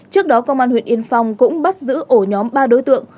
trước đó công an huyện yên phong cũng bắt giữ ổ nhóm ba đối tượng